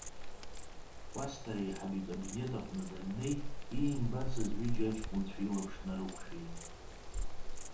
Кәасҭа, реиҳабы икабинет аҟны даннеи, иимбацыз ҩыџьа аҷкәынцәа илаԥш нарықәшәеит.